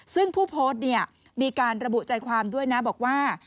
ซึ่งผู้โพสต์เนี่ยมีการระบุใจความด้วยนะบอกว่า